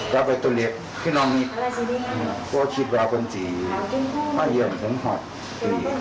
ชายก็ถึงครอบครัวนอนบอเตอร์